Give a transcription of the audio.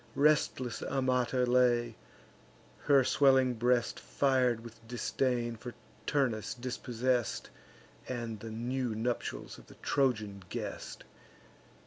Restless Amata lay, her swelling breast Fir'd with disdain for Turnus dispossess'd, And the new nuptials of the Trojan guest.